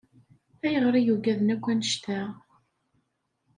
Ayɣer i yugaden akk annect-a?